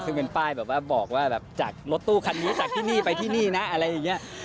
ซึ่งเป็นป้ายแบบว่าบอกว่าแบบจากรถตู้คันนี้จากที่นี่ไปที่นี่นะอะไรอย่างนี้